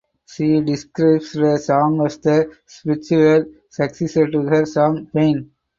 She described the song as the spiritual successor to her song "Pain".